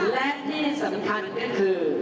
และที่สำคัญก็คือ